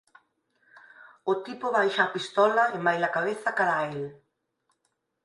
O tipo baixa a pistola e maila cabeza cara a el.